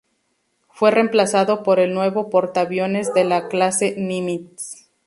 Fue remplazado por el nuevo portaaviones de la "clase Nimitz".